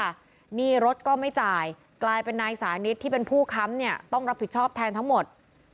หนี้รถก็ไม่จ่ายกลายเป็นนายสานิทที่เป็นผู้ค้ำเนี่ยต้องรับผิดชอบแทนทั้งหมด